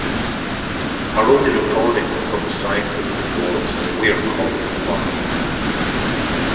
Her only recording from the cycle was "Where Corals Lie".